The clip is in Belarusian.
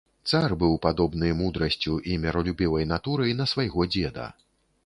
Цар быў падобны мудрасцю і міралюбівай натурай на свайго дзеда.